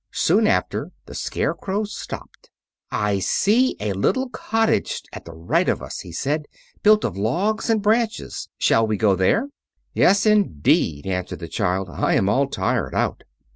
Soon after the Scarecrow stopped. "I see a little cottage at the right of us," he said, "built of logs and branches. Shall we go there?" "Yes, indeed," answered the child. "I am all tired out."